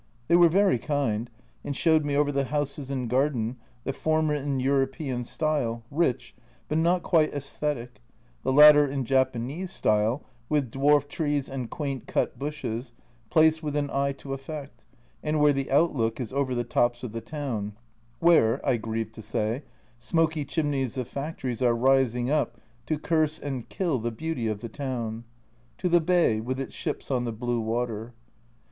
They were very kind, and showed me over the houses and garden, the former in European style, rich, but not quite aesthetic, the latter in Japanese style, with dwarf trees and quaint cut bushes, placed with an eye to effect, and where the outlook is over the tops of the town (where, I grieve to say, smoky chimneys of factories are rising up to curse and kill the beauty of the town) to the bay, with its ships on the blue water.